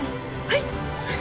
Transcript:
はい！